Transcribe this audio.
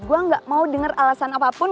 gue gak mau dengar alasan apapun